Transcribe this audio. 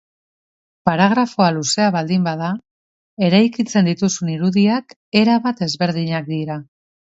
Paragrafoa luzea baldin bada, eraikitzen dituzun irudiak erabat ezberdinak dira.